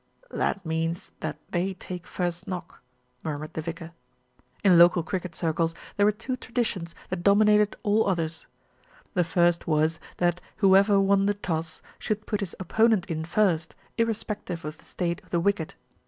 "That means that they take first knock," murmured the vicar. In local cricket circles there were two traditions that dominated all others; the first was that whoever won the toss should put his opponent in first, irrespective of the state of the wicket.